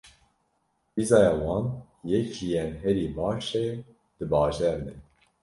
Pîzaya wan yek ji yên herî baş e di bajêr de.